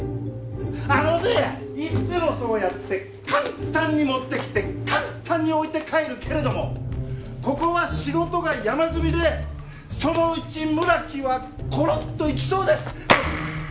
あのねいっつもそうやって簡単に持ってきて簡単に置いて帰るけれどもここは仕事が山積みでそのうち村木はコロッといきそうです！